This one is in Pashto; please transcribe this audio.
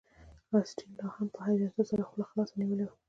اسټین لاهم په حیرانتیا سره خوله خلاصه نیولې وه